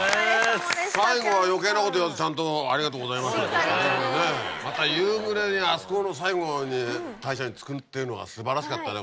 最後は余計なこと言わずちゃんと「ありがとうございました」。また夕暮れにあそこの最後に大社に着くっていうのが素晴らしかったね